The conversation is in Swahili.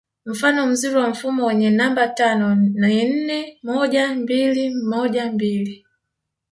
Mfano mzuri wa mfumo wenye namba tano ni nne moja mbili moja mbili